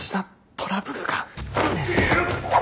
トラブル？